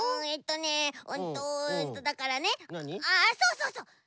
えっとねうんとだからねあっそうそうそう！